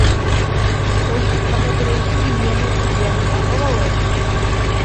Бәлки, тағы берәйһен ейәне үҙ янына алалыр?